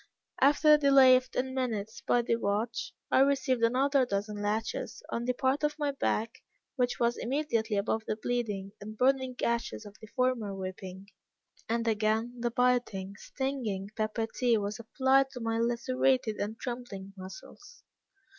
After a delay of ten minutes, by the watch, I received another dozen lashes, on the part of my back which was immediately above the bleeding and burning gashes of the former whipping; and again the biting, stinging, pepper tea was applied to my lacerated and trembling muscles.